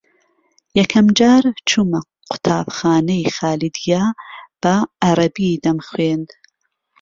یەکەم جار چوومە قوتابخانەی خالیدیە بە عەرەبی دەمخوێند